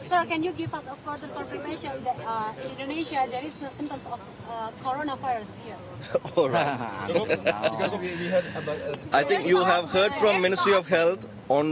saya pikir anda telah mendengar dari kementerian kesehatan